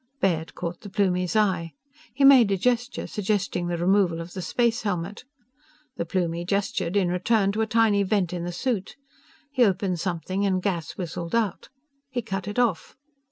Baird caught the Plumie's eye. He made a gesture suggesting the removal of the space helmet. The Plumie gestured, in return, to a tiny vent in the suit. He opened something and gas whistled out. He cut it off.